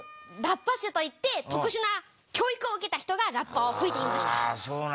ラッパ手といって特殊な教育を受けた人がラッパを吹いていました。